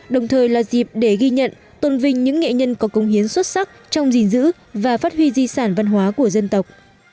đồng thời là dịp để ghi nhận tôn vinh những nghệ nhân có công hiến xuất sắc trong gìn giữ và phát huy di sản văn hóa của dân tộc